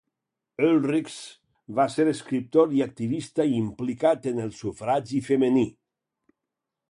Oelrichs va ser escriptor i activista implicat en el sufragi femení.